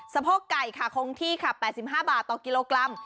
โพกไก่ค่ะคงที่ค่ะ๘๕บาทต่อกิโลกรัม